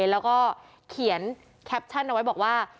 แล้วก็เขียนแคปชั่นเอาไว้บอกว่า